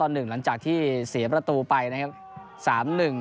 หลังจากที่เสียประตูไปนะครับ